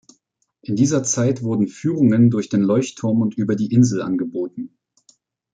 In dieser Zeit wurden Führungen durch den Leuchtturm und über die Insel angeboten.